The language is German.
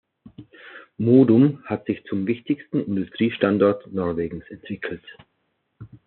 Modum hatte sich zum wichtigsten Industriestandort Norwegens entwickelt.